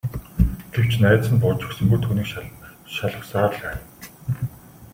Гэвч найз нь бууж өгсөнгүй түүнийг шаналгасаар л байв.